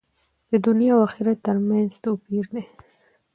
د دنیا او آخرت تر منځ توپیر دی.